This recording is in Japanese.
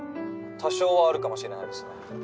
多少はあるかもしれないですね。